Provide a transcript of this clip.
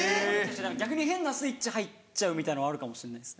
逆に変なスイッチ入っちゃうみたいのはあるかもしんないです。